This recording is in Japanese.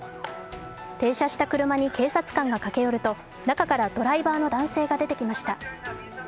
停車した車に警察官が駆け寄ると、中からドライバーの男性が出てきました。